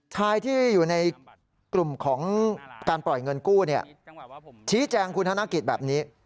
ชายที่อยู่ในกลุ่มของการปล่อยเงินกู้ชี้แจงคุณธนกิจแบบนี้